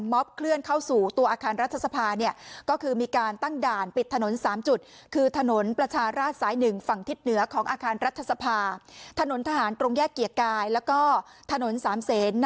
เมื่อป้องกันม